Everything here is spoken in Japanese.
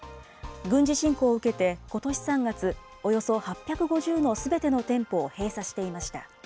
軍事侵攻を受けてことし３月、およそ８５０のすべての店舗を閉鎖していました。